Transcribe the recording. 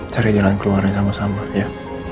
cari jalan keluarnya sama sama ya